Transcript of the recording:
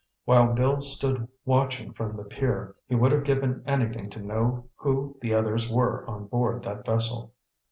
While Bill stood watching from the pier, he would have given anything to know who the others were on board that vessel.